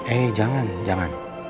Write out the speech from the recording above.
eh jangan jangan